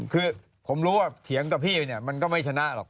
คือผมรู้ว่าเถียงกับพี่เนี่ยมันก็ไม่ชนะหรอก